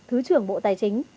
thứ trưởng bộ tài chính